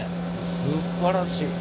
すばらしい。